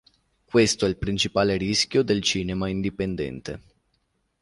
Questo è il principale rischio del cinema indipendente.